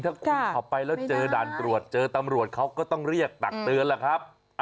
ถ้าคุณขับไปแล้วเจอด่านตรวจเจอตำรวจเขาก็ต้องเรียกตักเตือนล่ะครับ